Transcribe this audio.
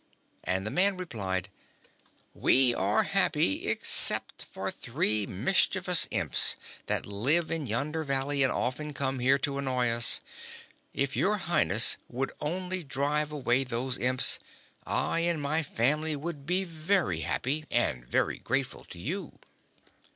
And the man replied: "We are happy except for three mischievous Imps that live in yonder valley and often come here to annoy us. If your Highness would only drive away those Imps, I and my family would be very happy and very grateful to you."